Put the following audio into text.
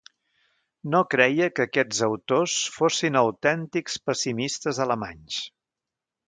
No creia que aquests autors fossin autèntics pessimistes alemanys.